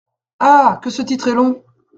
Ah ! que ce titre est long !